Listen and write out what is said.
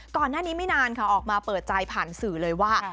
ก่อนหน้านี้ไม่นานค่ะออกมาเปิดใจผ่านสื่อเลยว่า